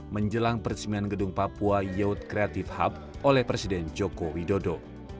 menjelang peresmian gedung papua youth creative hub oleh presiden joko widodo